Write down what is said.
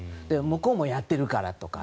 向こうもやっているからとか。